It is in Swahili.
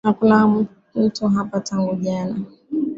Hakuna mtu hapa tangu jana